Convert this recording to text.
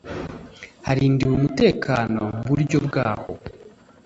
harindiwe umutekano mu buryo bw’aho